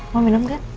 mau minum gak